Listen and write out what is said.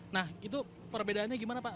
nah itu perbedaannya gimana pak